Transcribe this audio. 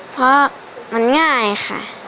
เพราะมันง่ายค่ะ